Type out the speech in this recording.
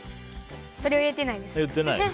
それは言ってないです。